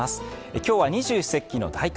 今日は二十四節気の大寒。